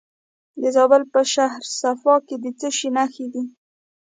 د زابل په شهر صفا کې د څه شي نښې دي؟